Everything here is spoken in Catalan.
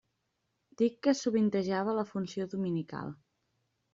Dic que sovintejava la funció dominical.